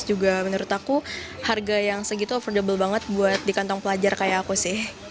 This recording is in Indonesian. juga menurut aku harga yang segitu affordable banget buat di kantong pelajar kayak aku sih